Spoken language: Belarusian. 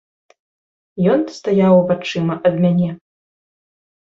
Ён стаяў вачыма ад мяне.